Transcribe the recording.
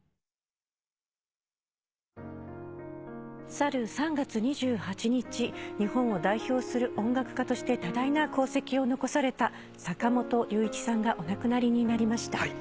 去る３月２８日日本を代表する音楽家として多大な功績を残された坂本龍一さんがお亡くなりになりました。